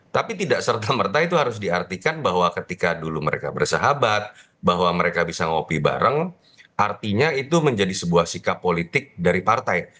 tapi tidak serta merta itu harus diartikan bahwa ketika dulu mereka bersahabat bahwa mereka bisa ngopi bareng artinya itu menjadi sebuah sikap politik dari partai